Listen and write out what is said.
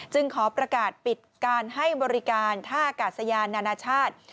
ขอประกาศปิดการให้บริการท่าอากาศยานนานาชาติ